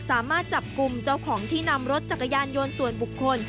สามารถจับกลุ่มเจ้าของที่นำรถจักรยานยนต์ส่วนบุคคล